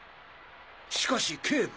しかし警部